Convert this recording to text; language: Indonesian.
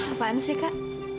apaan sih kak